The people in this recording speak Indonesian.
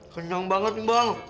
kenyang banget nih bang